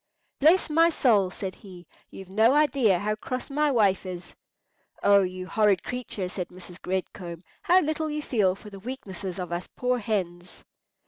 "Bless my soul," said he, "you've no idea how cross my wife is." "O you horrid creature!" said Mrs. Red Comb. "How little you feel for the weaknesses of us poor hens!"